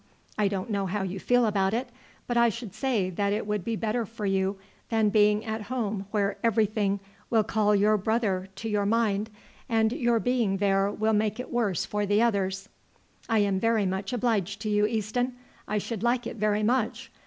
I don't know how you feel about it, but I should say that it would be better for you than being at home where everything will call your brother to your mind, and your being there will make it worse for the others." "I am very much obliged to you, Easton; I should like it very much.